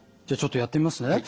じゃあちょっとやってみますね。